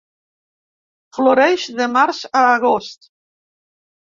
Floreix de març a agost.